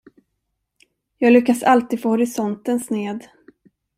Jag lyckas alltid få horisonten sned.